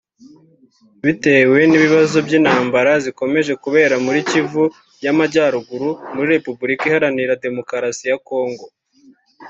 bitewe n’ibibazo by’intambara zikomeje kubera muri Kivu y’Amajyaruguru muri Repubulika Iharanira Demokarasi ya Kongo